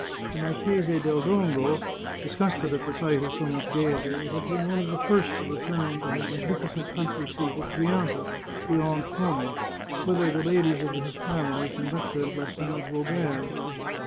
The Marchese del Dongo, disgusted at the sight of so much gaiety, had been one of the first to return to his magnificent country seat at Grianta, beyond Como, whither the ladies of his family conducted Lieutenant Robert.